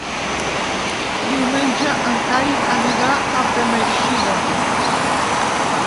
Diumenge en Cai anirà a Beneixida.